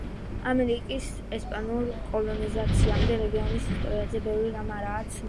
ამერიკის ესპანურ კოლონიზაციამდე, რეგიონის ისტორიაზე ბევრი რამ არაა ცნობილი.